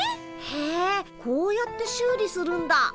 へえこうやって修理するんだ。